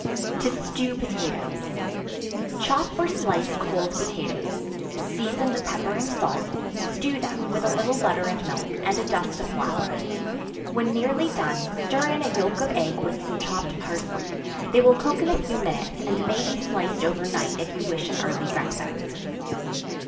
To Stew Potatoes. Chop or slice cold potatoes; season with pepper and salt; stew them, with a little butter and milk, and a dust of flour; when nearly done, stir in a yelk of egg with some chopped parsley they will cook in a few minutes, and may be sliced over night if you wish an early breakfast.